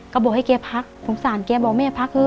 ก็บอกให้แกพัก